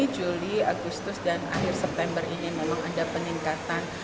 juli agustus dan akhir september ini memang ada peningkatan